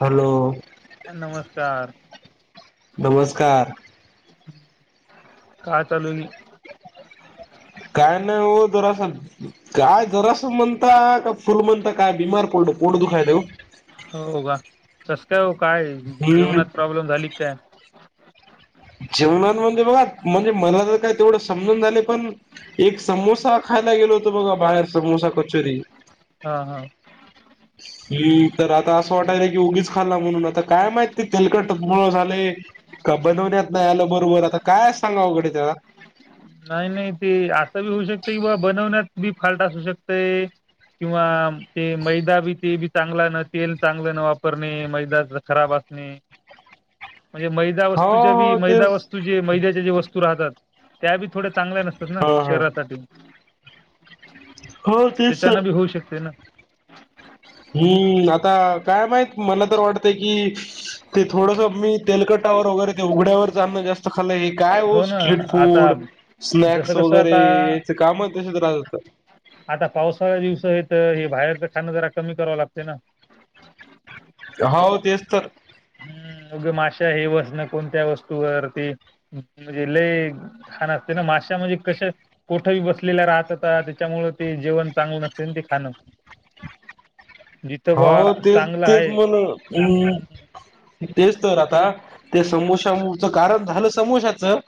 Hello नमस्कार नमस्कार काय चालू आहं गी. काय नाही हो जरा असण, काय जरासं म्हणता काय फुल म्हणता काय बिमार पडलं पोट दुखायलय ओ. हो का कसं काय हो काय हम्म जेवणात प्रॉब्लेम झाली का काय? जेवणामध्ये बघा म्हणजे मला तर काय तेवढं समजना झालेय पण, एक समोसा खायला गेलो होतो बघा बाहेर समोसा, कचोरी. हा हा हम् तर आता असं वाटायलंय की उगीच खाल्ला म्हणून आता काय माहित तेलकटमुळं झालंय, का बनवण्यात नाही आलं बरोबर आता काय सांगावं अवघड आहे ते जरा. नाही नाही ते असं बी होऊ शकतंय की बाबा बनवण्यात बी फाल्ट असू शकतंय. किंवा ते मैदा बी ते बी चांगला नसेल तेल चांगलं न वापरणे मैदा खराब असणे. म्हणजे मैदा हो वस्तूच्या बी हो मैदा तेच वस्तू जे मैद्याच्या जे वस्तू राहतात. त्या बी थोड्या चांगल्या नसतात ना हा हा शरीरासाठी. हो तेच सर त्यांच्यान बी होऊ शकते ना. हम्म आता काय माहित मला तर वाटतंय की, ते थोडस मी तेलकटावर वगैरे ते उघड्यावर अन्न जास्त खालंय, काय ओ हो ना स्ट्रीट आता फूड जसं स्नॅक्स कसं वगैरे आता याचं कामच तशीच राहतात. आता पावसाळ्या दिवसात हित ते बाहेरचं खाणं जरा कमी करावं लागतं ना. हा वो तेच तर. हम्म ऊग माशा हे बसणं कोणत्या वस्तूवर म्हणजे लई घाण असते ना माशा म्हणजे कशे, कुठंही बसलेल्या राहतता त्याच्यामुळं ते जेवण चांगलं नसते ना ते खाणं. जिथं बा हो तेच चांगलं तेच आहे म्हणं ह्म. हम्म, तेच तर आता तिथलंच ते समोशामुच कारण झालं समोशाचं.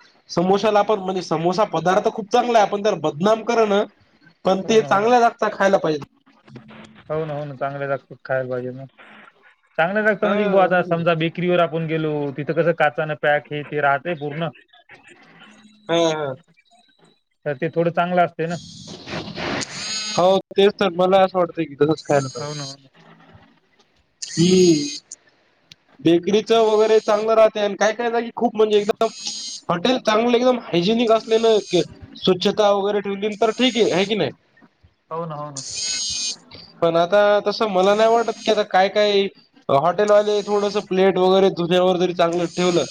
हम्म, समोश्याला हम्म. आपण म्हणजे समोसा पदार्थ खूप चांगला आहे आपण त्याला बदनाम करणा. पण हो ते ना हो ना चांगल्या जागचा खायला पाहिजे. हो ना हो ना चांगल्या जागच खायला पाहिजे ना चांगल्या जागचं म्हणजे बुवा आता ह समजा बे करीवर आपण गेलो तिथं कसं काचानं पॅक हे ते राहतंय पूर्ण. ह् अ तर ते थोडं चांगलं असं हो तेच तर मला असं वाटतंय की तसंच खायला हो ना हो पाहिजे. ना ही. बेकरीचं वगैरे चांगलं राहतंय आणि काय काय जागी खूप म्हणजे एकदम, हॉटेल चांगलं एकदम हायजेनिक असलेल स्वच्छता वगैरे, ठेवली तर ठीक आहे आहे की नाही. हो ना हो. पण आता तसं मला नाही वाटत की, आता काय काई हॉटेलवाले थोडस प्लेट वगैरे धुल्यावर जरी चांगलं ठेवलं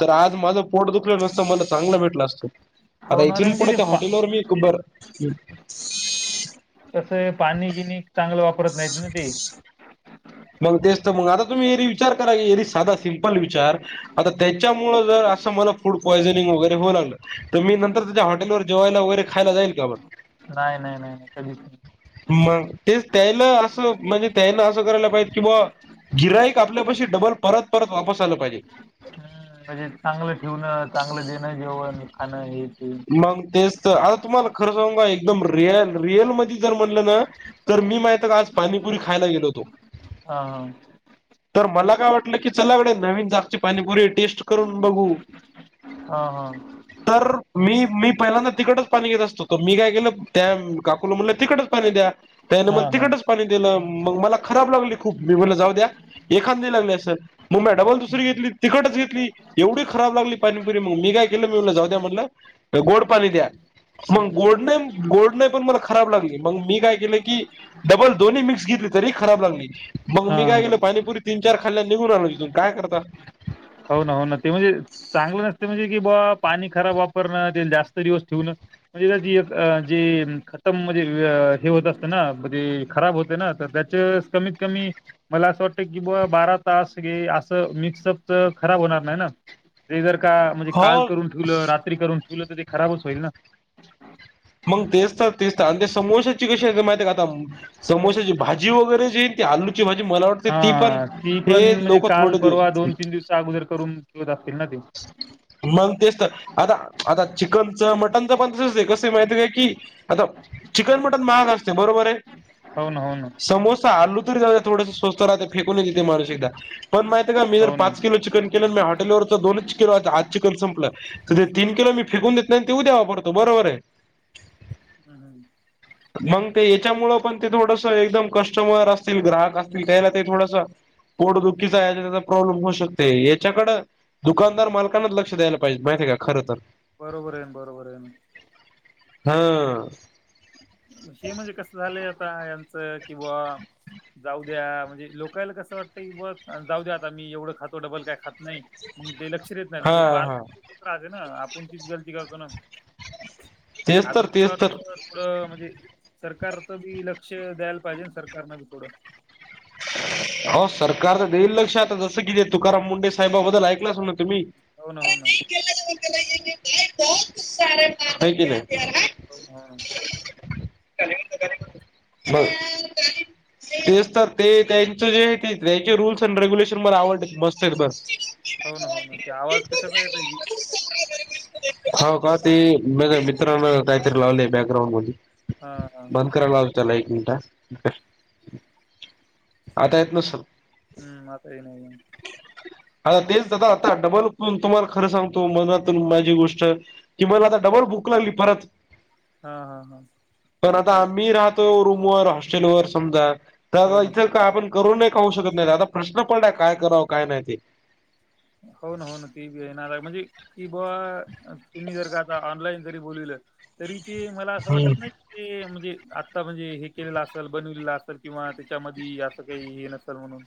तर आज माझं पोट दुखलं नसतं, म्हणल चांगल भेटलं असतं आता हो ना इथून नाही म्हणजे पुढ ते त्या पा हॉटेलवर मी कुंबर कसंय पाणी पिनी चांगलं वापरत नाहीत ना ते. मग तेच तर मग आता तुम्ही एरी विचार करा एरी साधा सिम्पल विचार आता त्याच्यामुळ जर असं मला फूड पॉयझनिंग वगैरे होऊ लागलं तर, मी नंतर त्याच्या हॉटेलवर जेवायला वगैरे खायला जाईल का मंग. नाय नाय नाय नाय कधीच नाही. मग तेच त्यायला असं म्हणजे त्यायला असं करायला पाहिजे कि बुवा गिराईक आपल्यापाशी डबल परत परत वापस आल पाहिजे. हम्म म्हणजे चांगलं ठेवणं, चांगलं देणं जेवन, खाणं हे ते मग तेच तर आता तुम्हाला खरं सांगु का एकदम रिअल रिअलमध्ये जर म्हणलं ना तर मी माहितीया का आज पाणीपुरी खायला गेलो होतो हा हा तर मला काय वाटलं की चलागड्या नवीन जागची पाणीपुरी टेस्ट करून बघू हा हा तर मी.. मी पहिल्यांदा तिखटच पाणी घेत असतो, मी काय केेलं त्या काकुला म्हणलं तिखटच पाणी द्या. त्यान हा मला हा हा. तिखटच पाणी दिलं, मग मला खराब लागली खूप मी म्हणलं जाऊद्या एखांदी लागली असंल. म् म्या डबल दुसरी हम्म घेतली तिखटच घेतली एवढी खराब लागली पाणीपुरी म् मी काय केलं मी म्हणलो जाऊद्या म्हणलं गोड पाणी द्या हम्म, मग हम्म. गोड नाही... गोड नाही पण मला खराब लागली मग मी काय केलं की, डबल दोन्ही मिक्स घेतली तरी खराब लागली. मग हा मी काय केल हा पाणीपुरी तीन-चार खाल्ल्या निघून आलो तिथून काय करता. हो ना हो ना ते म्हणजे चांगलं नसतं म्हणजे की, बुवा पाणी खराब वापरणं ते जास्त दिवस ठेवणं. म्हणजे त्या जी जी खतम म्हणजे हे होत असतना म्हणजे खराब होते ना तर त्यात च कमीत कमी मला असं वाटत की, बारा तास हे असं मिक्सअप च खराब होणार नाही ते जर का म्हणजे काल हो करून ठेवल रात्री करून ठेवल तर ते खराबच होईल ना. मंग तेचतर तेचतर आणि ते समोश्याची कशी माहितीया का आता समोश्याची भाजी वगैरे जी ती आलूची भाजी मला वाटते ती पण हा ती पण हे म्हणजे लोक काल, थोडे दिवस परवा, दोन-तीन दिवस अगोदर करून ठेवत असतील ना ते. मग तेच तर आता... आता चिकनच मटनच पण तसच आहे कस माहितीया की, आता चिकन, मटण महाग असतय बरोबर आहे‌. हो ना हो ना समोसा आलू तरी जाऊद्या थोडंस स्वस्त राहते फेकून देतं माणूस एकदा पण माहितीया का मी जर हो ना पाच हम्म किलो चिकन केलं मी हॉटेलवरच दोनच किलो चिकन संपलं [unintelligible] तीन किलो मी फेकून देत नाही आणि ते उद्या वापरतो बरोबर आहे. हम् हम् मग ते याच्यामुळं पण ते थोडसं एकदम कस्टमर असतील, ग्राहक असतील त्याला ते थोडस पोड दुखीचा [unintelligible] त्याचा प्रॉब्लेम होऊ शकतोय याच्याकडं दुकानदार मालकांनच लक्ष द्यायला पाहिजे माहितीया आहे का खर तर बरोबर आहे, बरोबर आहे. हां. हे म्हणजे कसं झालंय आता यांचं किंवा जाऊ द्या, म्हणजे लोकाला कसं वाटतं की बा जाऊ द्या, आता आम्ही एवढं खातो डबल काय खात नाही मग ते लक्ष देत नाही, हा म्हणजे बार हा रात्र ना आपण तीच गलती करतो ना. तेच आता तर त्याच्यावर तेच तर. कसं थोडं म्हणजे, सरकार च बी लक्ष द्यायला पाहिजे ना सरकारन बी थोडं. हो, सरकार तर देईल लक्ष, आता जसं कि तुकाराम मुंडे साहेबाबद्दल ऐकलं असेल ना तुम्ही. हो ना हो ना. हाय की नाही. हो हा. बर, तेच तर ते त्यांच जे ते त्यां रूल्स एन्ड रेग्युलेशन मला आवडलेत, मस्त आहेत मस्त. हो ना हो ना, ते आवाज कशाचा येतय की.? हा का, ते म का मित्रांन काहीतरी लावलय, बॅकग्राउंड मधी. हा हा बंद कराय लावतो त्याला एक मिनिटं हं. आता येत नसल. हम्म, आता येतनाय हा तेच दादा आता डबल करून तुम्हाला खरं सांगतो मनातून माझी गोष्ट कि मला आता डबल भूक लागली परत. हा हा हा. पण आता आम्ही राहतो रूमवर हॉस्टेल वर समजा, हो दादा ना हम्म. आपण करूनही खाऊ शकत नाही दादा, प्रश्न पडलाय काय कराव काय नाही ते. हो ना हो ना, ते बी येणाराय म्हजे कि बूआ तुम्ही जर का आता ऑनलाईन जरी बोलवलं, तरी ते मला असं ते वाटत नाही ते म्हणजे आता म्हणजे हे केलेलं असल, बनवलेलं असल, किंवा त्याच्यामध्ये असं काही हे नसल म्हणून [inaudible]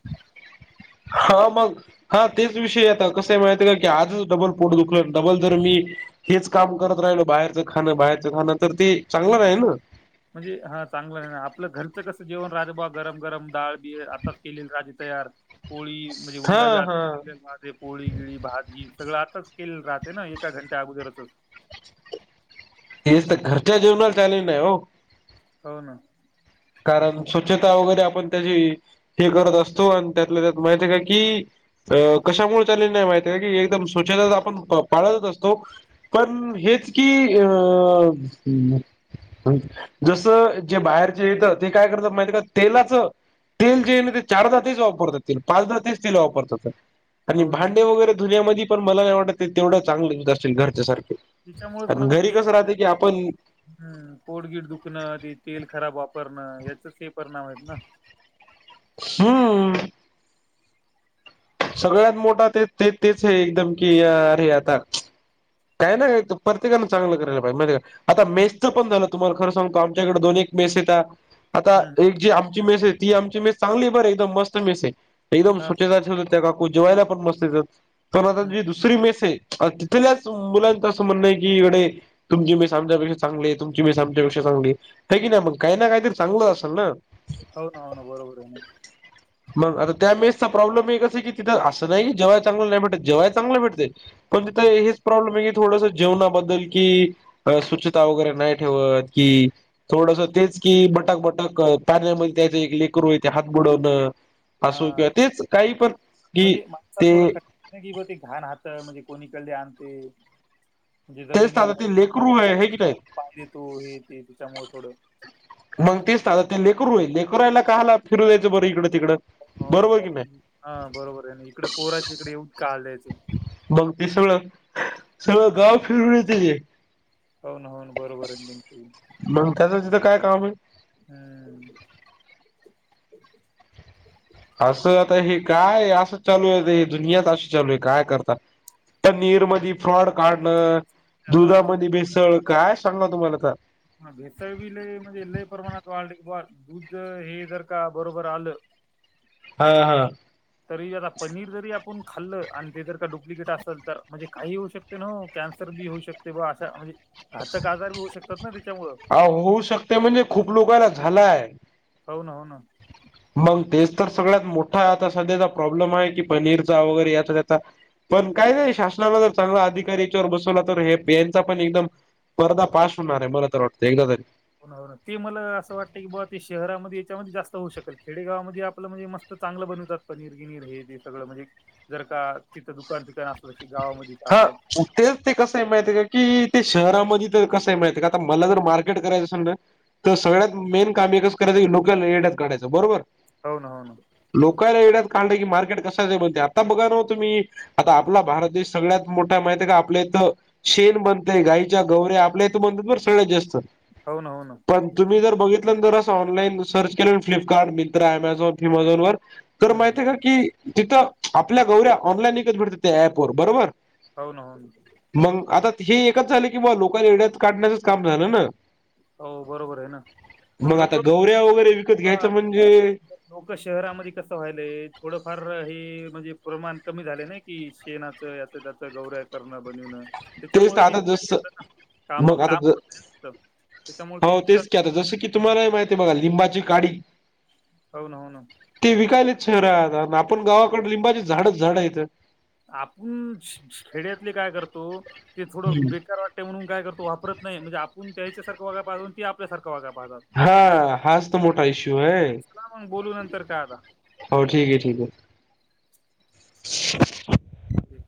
हा मग हा तेच विषय, आता कसंय माहितय का की आजच डबल पोट दुखलं, डबल जर मी हेच काम करत राहिलो, बाहेरचं खाणं बाहेरच खाणं तर ते, चांगलं हो ना. नाही नं. म्हणजे, हा चांगलं नाही ना, आपलं घरचं कसं जेवण रातं, गरम गरम डाळ बीळ, आता केलेलं राजी तयार पोळी, म्हणजे हा उंडा बी हा. आताच पोळी गिळी भात गी सगळं आताच केलं राहते ना, एका घंट्या अगोदरच. हेच तर, घरच्या जेवणाला चॅलेंज नाही ओ. हो ना. कारण, स्वच्छता वगैरे आपण त्याची हे करत असतो, आणि त्यातलं त्यात माहितीय काय की अ कशामुळे चॅलेंज नाही माहितय काय की, एकदम स्वच्छता तर आपण पाळतच असतो पण हेच की अंअंअंअंअं जसं, जे बाहेरचे येतं, ते काय करतात माहिते का, तेलाचं तेल जे आहे ना ते चारजातीच तेल वापरतात ते, पाचजाती तेच तेल वापरतात. आणि हो ना भांडे हो वगैरे धुन्यामध्ये पण मला नाही वाटत तेवढं चांगलं घासेल घरच्यासारखे. तिच्यामुळेच आन मग घरी ते कसं राहते की आपण थोडं हम्म, पोटगीड दुखणं ते तेल खराब वापरणं, याचच हे परिणाम हायत ना. हम्म. सगळ्यात मोठा ते ते तेच हे एकदम की, अरे आता काय नाही, ते प्रत्येकान चांगलं करायला पाहिजे माहितीये का. आता मेसचं पण झालं तुम्हाला खरं सांगुका आमच्याकडे दोन एक मेस येता, आता एक हम्म जी आमची मेस ती आमची मेस चांगली बर एकदम मस्त मेसे एकदम हा स्वच्छता ठेव- काकू जेवायला पण मस्त देतात पण आता जी हम्म दुसरी मेस हे तिथल्या, मुलांच असं म्हणणं आहे की इकडे तुमची मेस आमच्यापेक्षा चांगली तुमची मेस आमच्यापेक्षा चांगली. हाय की नाही मग काही ना काहीतरी चांगलं असेल ना. हो ना हो ना बरोबर आहे ना. मग आता त्या मेसचा प्रॉब्लेम एकच आहे की तिथं असं नाही की जेवाय चांगलं नाही भेटत जे्वाय चांगलं भेटतय. पण तीथ हेच, तूम्ही मी थोडस जेवणाबद्दल कि स्वच्छता वगैरे नाही ठेवत की, थोडस तेचकी बटक बटक पाण्यामध्ये त्यायचं एक लेकरू हे ते हात बुडवनं. असो हा. किंवा तेच काही पण कि म्हणजे माणसाला ते- [unintelligible] ते घाण हातं म्हणजे कोणी कढले आणते. म्हणजे तेच आता जमिनीला ते लेकरू खाली आहे हे की नाही. आपण पाय देतो हे ते त्याच्यामुळ थोडं. मग तेच ना आता ते लेकरु हे लेकराला काहाला फिरू द्यायचं बरं इकडं तिकडं. हो ना बरोबर की नाही त्याला हा बरोबर आहे ना, इकडे पोराच्या इकडे पोराचं इकडं येऊन का दायचं. मग तस, सं सगळं गाव फिरून येत ते, होन होन बरोबर तुम्हच. मग त्यांचं तीथ काय काम आहे. हम्म. असं आता हे काय असं चालू आहे दुनियाच असी चालू आहे काय करतात. पनीर मधी फ्रॉड काढणं, आता दुधामध्ये भेसळ काय सांगाव तुम्हाला आता. भेसळ बी लय म्हणजे लय प्रमाणात वाढली की बा दूध हे जर का बरोबर आलं. हा हा तरी आता पनीर जरी आपुण खाल्लं आणि ते जर का डुप्लिकेट असेल तर म्हणजे काही होऊ शकत. कॅन्सर बी होऊ शकते बा अशा म्हणजे घातक आजार बी होऊ शकतात ना त्यांच्यामुळे. हा होउ शकतो. ते म्हणजे खूप लोकाला झालायं. होन हो ना मग तेच तर सगळ्यात मोठा आता सध्याचा प्रॉब्लेम आहे की पनीरचा वगैरे याचा त्यांचा पण काय नाही शासनाला जर चांगला अधिकारी यांच्यावर बसवला तर हे बीचा पण एकदम पर्दा फास होणार आहे, मला तर वाटतं एकदा तरी. हो ते मला असं वाटतं की बाबा ते शहरामध्ये यांच्यामध्ये जास्त होऊ शकल खेडेगावामध्ये आपलं म्हणजे मस्त चांगलं बनवतात पनीर गिनीर हे ते सगळं म्हणजे जर का तिथं दुकान बीकान असलं ती गावामध्ये. हा आपल्या तेच ते कसं आहे माहित आहे का, की ते शहरामध्ये तर कसं आहे माहित आहे का आता मला जर मार्केट करायचं असेल ना‌. तर सगळ्यांत मेन काम एकच करायचं की लोकाला यड्यात काढायंच बरोबर. होना होना लोकांला येड्यात काढलं की मार्केट कशाच बनते आता बघा नव तुम्ही आता आपला भारत देश सगळ्यात मोठा माहित आहे का, आपल्या इथं शेण बनतेय गाईच्या गौवऱ्या आपल्या इथं बनतात बर सगळ्यात जास्त, हो ना होना पण तुम्ही जर बघित तर असं ऑनलाईन सर्च केलं फ्लिपकार्ट मित्र अमेझॉन फिमझॉन वर. तर हम्म माहित हम्म. आहे का की तिथं आपल्या गौऱ्या ऑनलाई इकत भेटतात त्या ऍपवर बरोबर, होन होन मग आता हे एकच झालं की, मग लोकांला येड्यात काढण्याचंच काम झालं ना. हो बरोबर आहे ना आणि मग लोक आता गौऱ्या वगैरे विकत घ्यायचं म्हणजे, लोकं शहरामध्ये कसं व्हायलय, थोडंफार हे म्हणजे प्रमाण कमी झाले नाही. कि शेनाचं याच त्याच गौर्या करणं बनवणं. तेच त्याच्यामुळे तर ती आता विकत जसं, घेतात ना काम मग आता काम ज असतं. त्याच्यामुळे हो ती तेच विकतात की, आता जसं की तुम्हाला माहिती आहे बघा लिंबाची काडी. होना होना. ते विकालेत शहरात अन, आपण गावाकड लिंबाची झाडच झाडं हायत. आपण खेड्यातले काय करतो, ते थोडं हम्म. बेकार वाट टे म्हणून काय करतो वापरत नाही म्हणजे, आपूण त्यांच्यासारखं वागाय पाहून ती आपल्यासारख वागाय पाहतात. हां, हाच तर मोठा इश्यूय. चला मग बोलू नंतर काय आता. हो ठीक ये ठीक ये. हम.